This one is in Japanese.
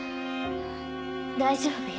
大丈夫よ。